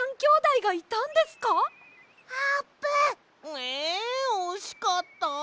えおしかった！